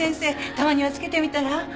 たまにはつけてみたら？